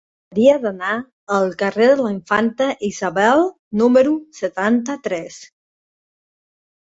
Hauria d'anar al carrer de la Infanta Isabel número setanta-tres.